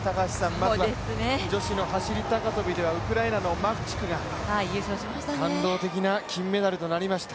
まずは女子の走高跳ではウクライナのマフチクが感動的な金メダルとなりました。